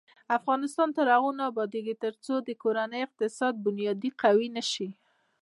افغانستان تر هغو نه ابادیږي، ترڅو د کورنۍ اقتصادي بنیادي قوي نشي.